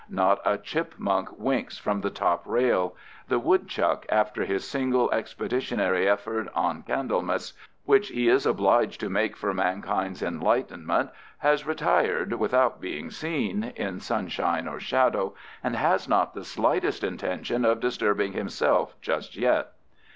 Not a chipmunk winks from the top rail. The woodchuck, after his single expeditionary effort on Candlemas, which he is obliged to make for mankind's enlightenment, has retired without being seen, in sunshine or shadow, and has not the slightest intention of disturbing himself just yet.